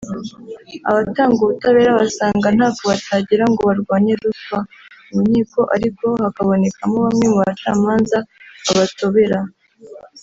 Abatanga ubutabera basanga ntako batagira ngo barwanye ruswa mu nkiko ariko hakabonekamo bamwe mu bacamanza babatobera